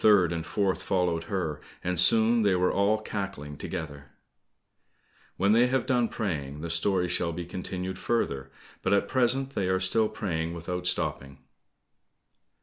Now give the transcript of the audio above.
The third and fourth followed her, and soon they were all cackling together. When they have done praying, the story shall be continued further, but at present they are still praying without stopping."